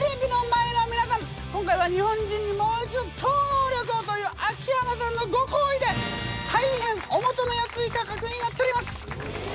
今回は「日本人にもう一度超能力を」という秋山さんのご厚意で大変お求めやすい価格になっております。